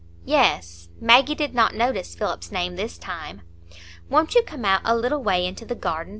"Yes." (Maggie did not notice Philip's name this time.) "Won't you come out a little way into the garden?"